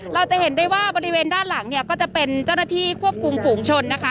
เราจะเห็นได้ว่าบริเวณด้านหลังเนี่ยก็จะเป็นเจ้าหน้าที่ควบคุมฝูงชนนะคะ